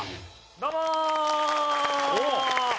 どうも！